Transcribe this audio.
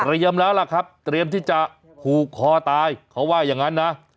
แล้วล่ะครับเตรียมที่จะผูกคอตายเขาว่าอย่างนั้นนะ